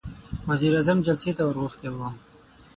وزير اعظم جلسې ته ور غوښتی و.